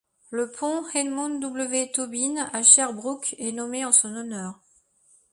Le pont Edmund-W.-Tobin, à Sherbrooke, est nommé en son honneur.